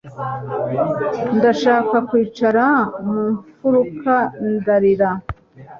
Ndashaka kwicara mu mfuruka ndarira.